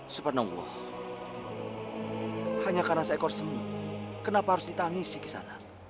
subhanallah hanya karena seekor semut kenapa harus ditangis si kisana